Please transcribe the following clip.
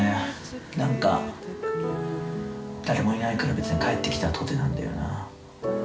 なんか、誰もいないから別に帰ってきたとてなんだよな。